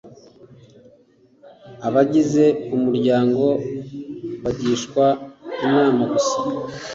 abagize umuryango bagishwa inama gusa